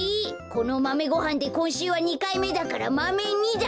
このマメごはんでこんしゅうは２かいめだからマメ２だ！